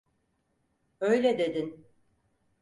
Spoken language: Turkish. Öyle dedin.